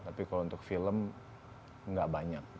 tapi kalau untuk film nggak banyak